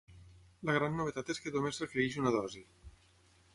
La gran novetat és que només requereix una dosi.